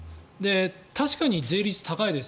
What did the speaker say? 確かに税率、高いです。